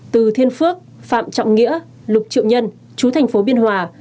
từ thiên phước phạm trọng nghĩa lục triệu nhân chú thành phố biên hòa